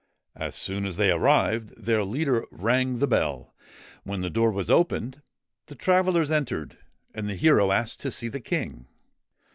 As soon as they arrived, their leader rang the bell. When the door was opened, the travellers entered, and the hero asked to see the King.